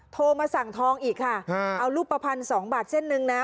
โทรมาสั่งทองอีกค่ะเอารูปภัณฑ์๒บาทเส้นหนึ่งนะ